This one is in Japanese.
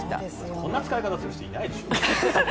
こんな使い方する人いないでしょう。